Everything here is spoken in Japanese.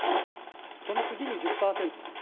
その次に１０％。